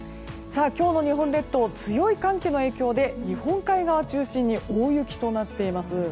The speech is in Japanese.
今日の日本列島は強い寒気の影響で日本海側を中心に大雪となっています。